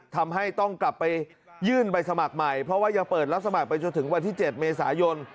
ทำให้ต้องกลับไปยื่นใบสมัครใหม่เพราะว่ายังเปิดรับสมัครไปจนถึงวันที่๗เมษายน